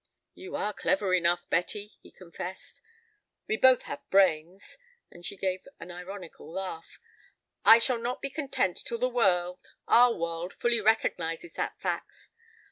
"You are clever enough, Betty," he confessed. "We both have brains"—and she gave an ironical laugh—"I shall not be content till the world, our world, fully recognizes that fact.